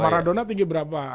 maradona tinggi berapa